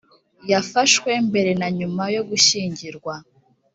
yafashwe mbere na nyuma yo gushyingirwa